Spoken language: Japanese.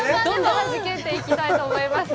はじけていきたいと思います。